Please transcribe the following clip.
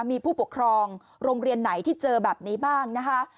มีผู้ปกครองโรงเรียนไหนที่เจอแบบนี้บ้างนะคะ